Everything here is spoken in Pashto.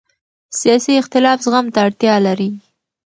سیاسي اختلاف زغم ته اړتیا لري